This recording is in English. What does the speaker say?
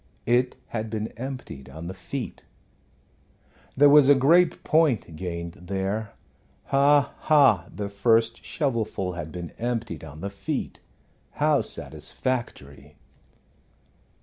It had been emptied on the feet. There was a great point gained there ha, ha! the first shovelful had been emptied on the feet. How satisfactory!